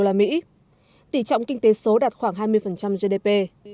tỷ trọng kinh tế số đạt khoảng hai mươi gdp